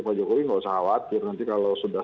pak jokowi nggak usah khawatir nanti kalau sudah